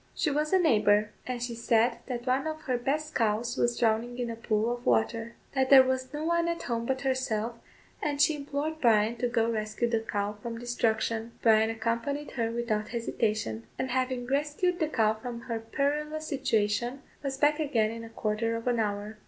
She was a neighbour, and she said that one of her best cows was drowning in a pool of water that there was no one at home but herself, and she implored Bryan to go rescue the cow from destruction. Bryan accompanied her without hesitation; and having rescued the cow from her perilous situation, was back again in a quarter of an hour.